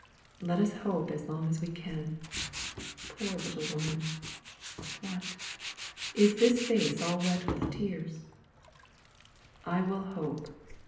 "Let us hope as long as we can. Poor little woman! what! is this face all wet with tears? I will hope.